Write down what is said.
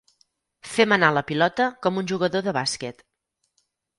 Fem anar la pilota com un jugador de bàsquet.